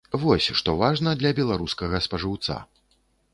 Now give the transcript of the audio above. Вось што важна для беларускага спажыўца.